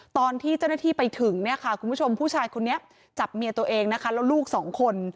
ตอนที่เจ้าหน้าที่ไปถึงเนี่ยค่ะคุณผู้ชมผู้ชายคนนี้จับเมียตัวเองนะคะแล้วลูกสองคน